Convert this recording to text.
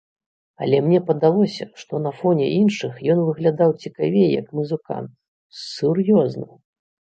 Але мне падалося, што на фоне іншых ён выглядаў цікавей як музыкант, сур'ёзна!